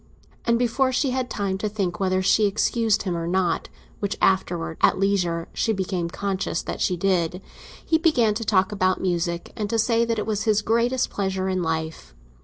And before she had time to think whether she excused him or not—which afterwards, at leisure, she became conscious that she did—he began to talk about music, and to say that it was his greatest pleasure in life.